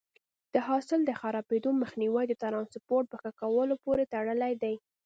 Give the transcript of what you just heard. د حاصل د خرابېدو مخنیوی د ټرانسپورټ په ښه کولو پورې تړلی دی.